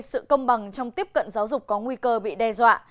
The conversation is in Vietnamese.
sự công bằng trong tiếp cận giáo dục có nguy cơ bị đe dọa